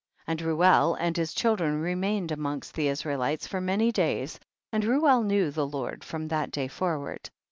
5. And Reuel and his children re mained amongst the Israelites for many days, and Reuel knew the Lord from that day forward.